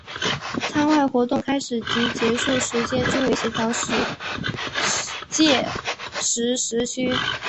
舱外活动开始及结束时间均为协调世界时时区。